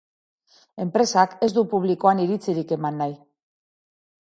Enpresak ez du publikoan iritzirik eman nahi.